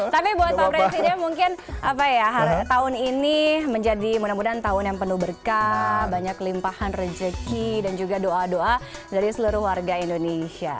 tapi buat pak presiden mungkin tahun ini menjadi mudah mudahan tahun yang penuh berkah banyak limpahan rezeki dan juga doa doa dari seluruh warga indonesia